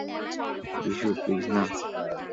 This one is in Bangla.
বিশু, প্লীজ না।